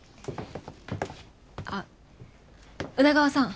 あっ宇田川さん。